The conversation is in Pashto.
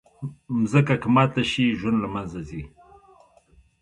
مځکه که ماته شي، ژوند له منځه ځي.